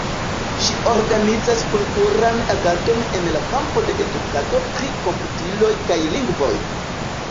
Ĝi organizas kulturan agadon en la kampo de edukado pri komputiloj kaj lingvoj.